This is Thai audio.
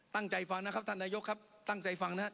ตั้งใจฟังนะครับท่านนายกครับตั้งใจฟังนะครับ